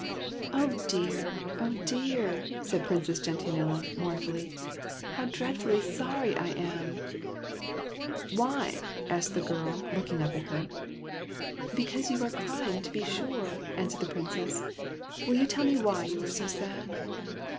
" Oh dear, oh dear !" said Princess Gentian ella, mournfully. " How dreadfully sorry I am !"" Why ?" asked the girl, looking up at her. ^e SOMEBODY ELSE'S PRINCE " Because you are crying, to be sure/' an swered the Princess. '' Will you tell me why you are so sad